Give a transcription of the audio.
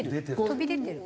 飛び出てる？